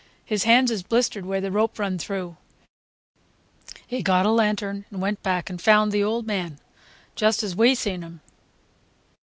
His hands is blistered where the rope run through. He got a lantern and went back and found the old man, just as we seen him."